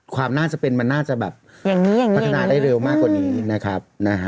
ความน่าจะเป็นมันน่าจะแบบพัฒนาได้เร็วมากกว่านี้นะครับนะฮะ